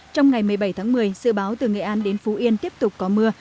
trong ngày một mươi bảy tháng một mươi dự báo từ nghệ an đến phú yên tiếp tục có mưa